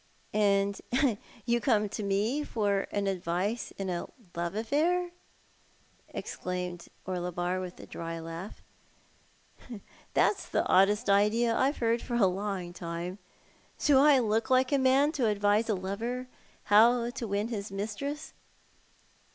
" And you come to me for advice in a love affair !" exclaimed Orlebar, with a dry laugli. " That's the oddest idea I've heard of for a long time. Do I look like a man to advise a lover how to win his mistress?"